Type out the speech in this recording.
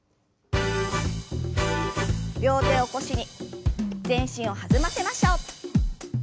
両手を腰に全身を弾ませましょう。